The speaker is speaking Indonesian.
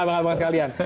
terima kasih banyak bang